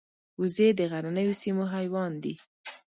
وزې د غرنیو سیمو حیوان دي